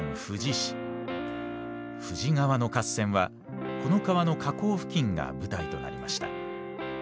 富士川の合戦はこの川の河口付近が舞台となりました。